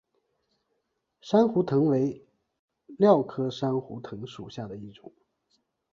珊瑚藤为蓼科珊瑚藤属下的一个种。